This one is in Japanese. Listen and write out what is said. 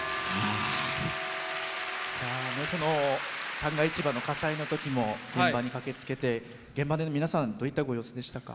旦過市場の火災のときも現場に駆けつけて現場で皆さんどういったご様子でしたか？